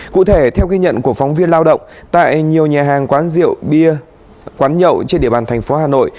cụ thể theo ghi nhận của phóng viên lao động tại nhiều nhà hàng quán rượu bia quán nhậu trên địa bàn thành phố hà nội